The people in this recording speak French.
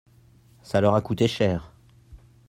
ça leur a coûté cher.